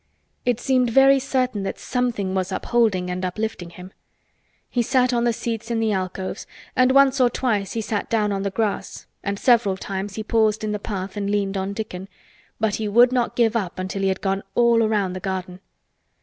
It seemed very certain that something was upholding and uplifting him. He sat on the seats in the alcoves, and once or twice he sat down on the grass and several times he paused in the path and leaned on Dickon, but he would not give up until he had gone all round the garden.